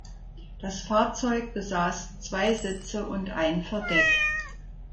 Das Fahrzeug besaß zwei Sitze und ein Verdeck.